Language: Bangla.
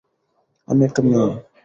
আমি একটা মেয়ে।